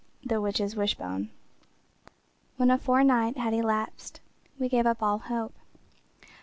THE WITCH'S WISHBONE When a fortnight had elapsed we gave up all hope.